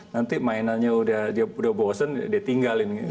nanti mainannya udah bosen dia tinggalin